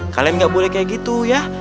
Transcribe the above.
kalian gak boleh kayak gitu ya